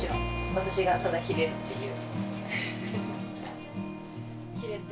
私がただキレるっていう。